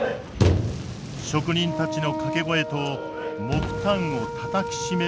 職人たちの掛け声と木炭をたたきしめる音。